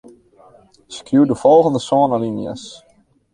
Skriuw de folgjende sân alinea's.